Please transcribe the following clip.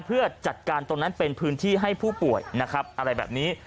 เพื่อจัดการตรงนั้นเป็นพื้นที่ให้ผู้ป่วยนะครับอะไรแบบนี้